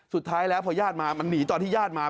สุดท้ายแล้วพอญาติมามันหนีตอนที่ญาติมา